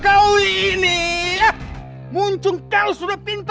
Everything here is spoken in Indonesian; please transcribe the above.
kalau sampai kemas mereka sangat kein keras sama istrinya